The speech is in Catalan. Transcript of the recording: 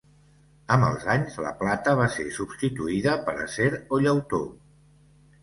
Amb els anys, la plata va ser substituïda per acer o llautó.